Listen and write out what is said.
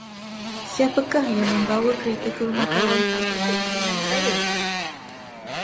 Siapakah yang membawa kereta ke rumah kawan tanpa keizinan saya?